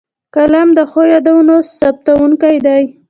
قلم د ښو یادونو ثبتوونکی دی